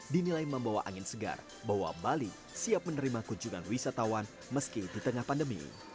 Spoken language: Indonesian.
dinilai membawa angin segar bahwa bali siap menerima kunjungan wisatawan meski di tengah pandemi